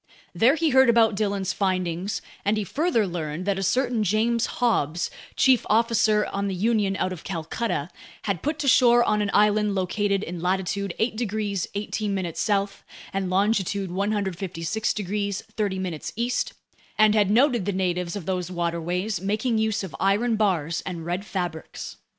There he heard about Dillon's findings, and he further learned that a certain James Hobbs, chief officer on the Union out of Calcutta, had put to shore on an island located in latitude 8 degrees 18' south and longitude 156 degrees 30' east, and had noted the natives of those waterways making use of iron bars and red fabrics.